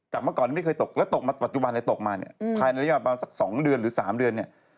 แต่เมื่อก่อนไม่เคยตกแล้วตกมาปัจจุบันเลยตกมาเนี่ยภายในระยะประมาณสัก๒เดือนหรือ๓เดือนเนี่ย